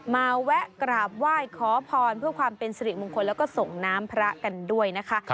แวะกราบไหว้ขอพรเพื่อความเป็นสิริมงคลแล้วก็ส่งน้ำพระกันด้วยนะคะ